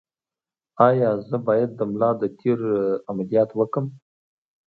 ایا زه باید د ملا د تیر عملیات وکړم؟